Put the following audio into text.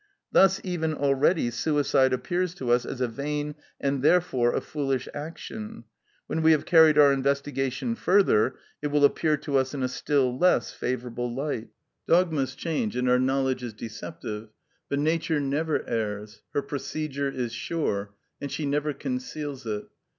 Thus even already suicide appears to us as a vain and therefore a foolish action; when we have carried our investigation further it will appear to us in a still less favourable light. Dogmas change and our knowledge is deceptive; but Nature never errs, her procedure is sure, and she never conceals it.